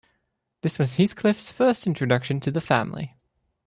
This was Heathcliff’s first introduction to the family.